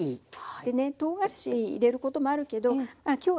でねとうがらし入れることもあるけど今日は入れないで。